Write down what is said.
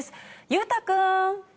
裕太君。